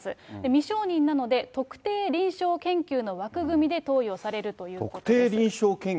未承認なので、特定臨床研究の枠組みで投与されるということです。